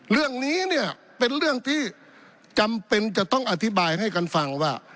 เรื่องนี้เนี่ยเป็นเรื่องที่จำเป็นจะต้องอธิบายให้กันฟังว่า